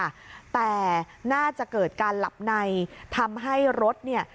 แต่น่าจะเกิดการหลับในทำให้รถเนี่ย